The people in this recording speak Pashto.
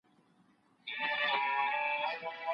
مراقبه د ذهن د پاکوالي لپاره ده.